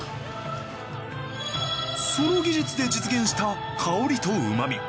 その技術で実現した香りとうまみ。